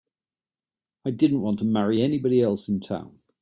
I didn't want to marry anybody else in town.